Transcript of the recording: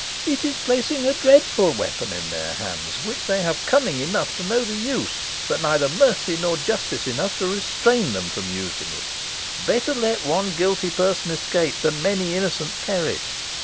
It is placing a dreadful weapon in their hands, of which they have cunning enough to know the use, but neither mercy nor justice enough to restrain them from using it. Better let one guilty person escape, than many innocent perish.